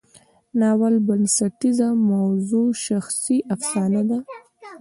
د ناول بنسټیزه موضوع شخصي افسانه ده.